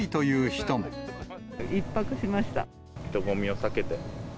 人混みを避けて。